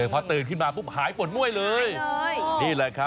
พอตื่นขึ้นมาปุ๊บหายป่นม้วยเลย